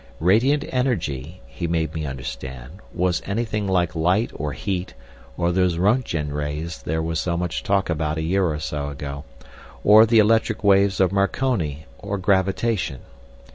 "Radiant energy," he made me understand, was anything like light or heat, or those Rontgen Rays there was so much talk about a year or so ago, or the electric waves of Marconi, or gravitation.